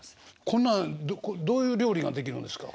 こんなんどういう料理ができるんですか？